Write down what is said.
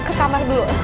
ke kamar dulu